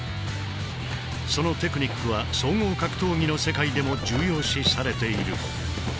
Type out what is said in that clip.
そのテクニックは総合格闘技の世界でも重要視されている。